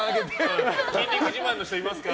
筋肉自慢の人いますか？